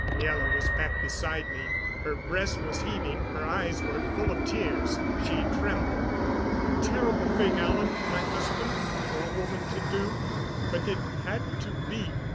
Miela was back beside me. Her breast was heaving; her eyes were full of tears; she trembled. "A terrible thing, Alan, my husband, for a woman to do; but it had to be."